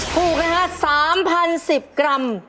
ถูกนะฮะ๓๐๑๐กรัม